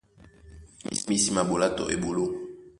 Mí sí maɓolá tɔ eɓoló.